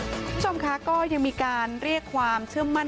คุณผู้ชมคะก็ยังมีการเรียกความเชื่อมั่น